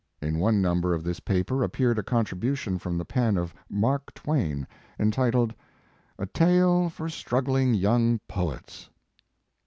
In one number of this paper appeared a contribution from the pen of Mark Twain, entitled: "A TALK FOR STRUGGLING YOUNG POETS."